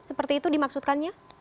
seperti itu dimaksudkannya